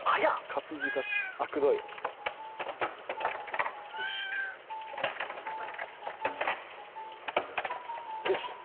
・活字が「あくどい」よし。